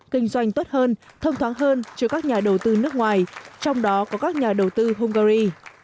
kinh doanh tốt hơn thông thoáng hơn cho các nhà đầu tư nước ngoài trong đó có các nhà đầu tư hungary